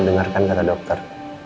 dengarkan kata dokter